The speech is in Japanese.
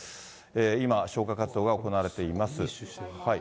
今、消火活動が行われています。